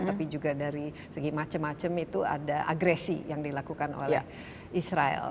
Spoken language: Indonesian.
tapi juga dari segi macam macam itu ada agresi yang dilakukan oleh israel